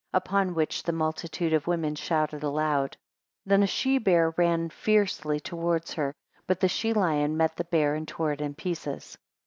Upon which the multitude of women shouted aloud. 3 Then a she bear ran fiercely towards her, but the she lion met the bear, and tore it in pieces.